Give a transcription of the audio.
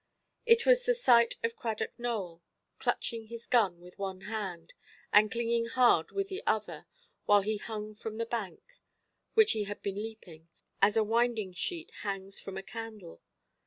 It was the sight of Cradock Nowell, clutching his gun with one hand, and clinging hard with the other, while he hung from the bank (which he had been leaping) as a winding–sheet hangs from a candle.